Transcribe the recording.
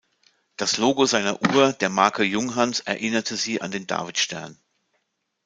Das Logo seiner Uhr der Marke Junghans erinnerte sie an den Davidstern.